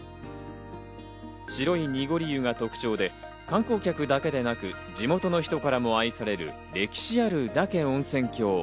白い濁り湯が特徴で、観光客だけでなく、地元の人からも愛される歴史ある、嶽温泉郷。